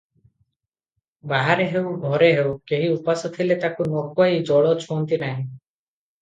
ବାହାରେ ହେଉ, ଘରେ ହେଉ, କେହି ଉପାସ ଥିଲେ ତାକୁ ନ ଖୁଆଇ ଜଳ ଛୁଅନ୍ତି ନାହିଁ ।